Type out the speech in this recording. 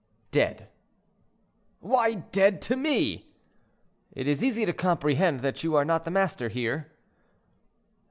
"—"Dead." "Why dead to me?" "It is easy to comprehend that you are not the master here."